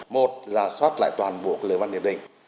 một là xoát lại toàn bộ lời ban hiệp định